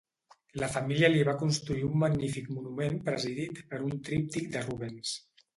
La família li va construir un magnífic monument presidit per un tríptic de Rubens.